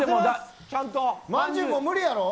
まんじゅう、もう無理やろ。